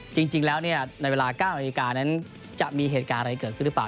จริงแล้วในเวลา๙นาฬิกานั้นจะมีเหตุการณ์อะไรเกิดขึ้นหรือเปล่า